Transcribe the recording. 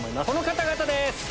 この方々です！